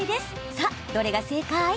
さあ、どれが正解？